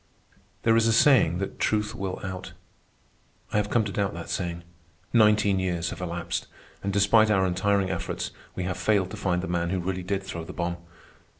There is a saying that truth will out. I have come to doubt that saying. Nineteen years have elapsed, and despite our untiring efforts, we have failed to find the man who really did throw the bomb.